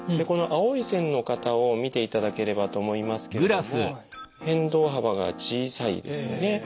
この青い線の方を見ていただければと思いますけれども変動幅が小さいですよね。